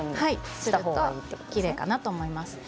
その方がきれいかなと思います。